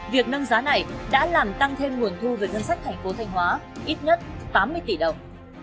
việc nâng giá này đã làm tăng thêm nguồn thu về ngân sách thành phố thanh hóa ít nhất tám mươi tỷ đồng